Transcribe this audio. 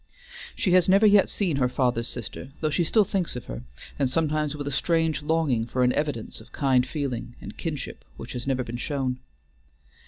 She has never yet seen her father's sister, though she still thinks of her, and sometimes with a strange longing for an evidence of kind feeling and kinship which has never been shown.